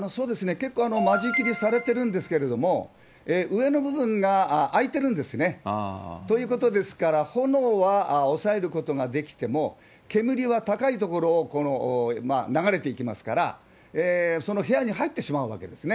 結構間仕切りされてるんですけれども、上の部分が開いてるんですね。ということですから、炎は抑えることができても、煙は高い所を流れていきますから、その部屋に入ってしまうわけですね。